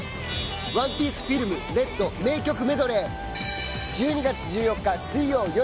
「ＯＮＥＰＩＥＣＥＦＩＬＭＲＥＤ」名曲メドレー。